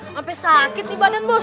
sampai sakit di badan bos